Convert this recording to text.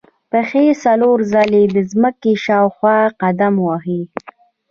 پښې څلور ځلې د ځمکې شاوخوا قدم وهي.